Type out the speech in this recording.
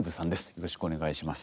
よろしくお願いします。